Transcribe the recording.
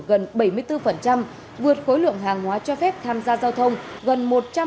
gần bảy mươi bốn vượt khối lượng hàng hóa cho phép tham gia giao thông gần một trăm một mươi sáu